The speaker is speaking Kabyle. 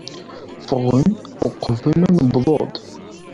Ffɣen uqbel ma nuweḍ-d.